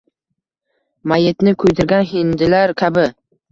mayyitni kuydirgan hindilar kabi